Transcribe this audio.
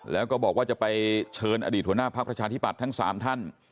แล้วก็บอกว่าจะไปเชิญอดีตหัวหน้าพักประชาธิบัติทั้ง๓ท่าน